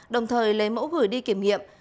đồng thời lấy mẫu gửi đi kiểm nghiệm